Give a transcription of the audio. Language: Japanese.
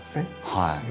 はい。